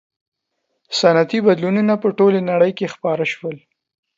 • صنعتي بدلونونه په ټولې نړۍ کې خپاره شول.